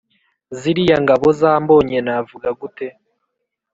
ziriya ngabo zambonye navuga gute